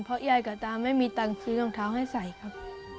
เพราะยายกับตาไม่มีตังค์ซื้อรองเท้าให้ใส่ครับ